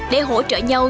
để hỗ trợ nhau